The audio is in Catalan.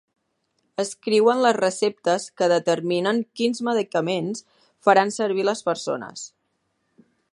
Escriuen les receptes que determinen quins medicaments faran servir les persones.